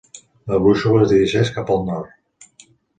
La brúixola es dirigeix cap al nord.